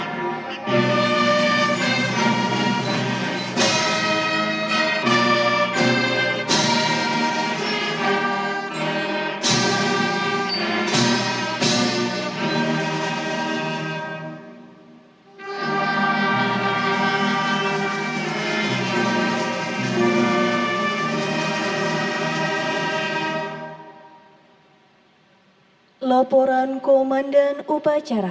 kembali ke tempat